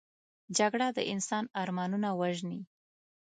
جګړه د انسان ارمانونه وژني